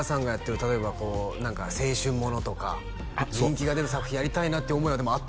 例えばこう何か青春ものとか人気が出る作品やりたいなっていう思いはあったんですか？